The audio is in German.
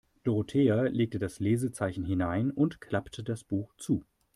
Dorothea legte das Lesezeichen hinein und klappte das Buch zu.